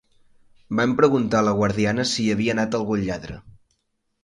Van preguntar a la guardiana si hi havia anat algun lladre